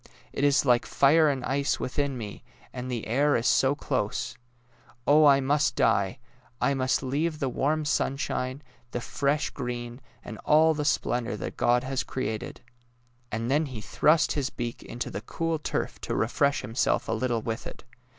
It is like fire and ice within me, and the air is so close. Oh, I must die! I must leave the warm sunshine, the fresh THE DAISY 197 green, and all the splendour that God has created! " And then he thrust his beak into the cool turf to refresh himself a little with it.